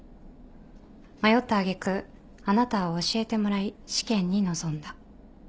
迷った揚げ句あなたは教えてもらい試験に臨んだ。